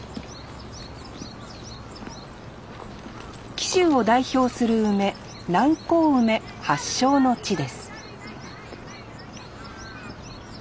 紀州を代表する梅南高梅発祥の地です